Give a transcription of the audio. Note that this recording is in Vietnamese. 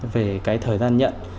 về cái thời gian nhận